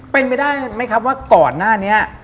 เป็นไปได้ไหมครับว่าก่อนหน้านี้